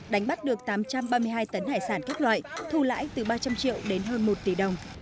đánh bắt được tám trăm ba mươi hai tấn hải sản các loại thu lãi từ ba trăm linh triệu đến hơn một tỷ đồng